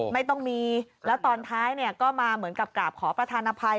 ไม่ต้องมีแล้วตอนท้ายก็มาเหมือนกับกราบขอประธานภัย